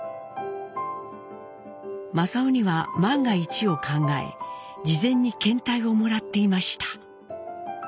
正雄には万が一を考え事前に検体をもらっていました。